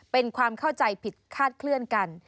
เป็นความเข้าใจผิดคาดเคลื่อนกัน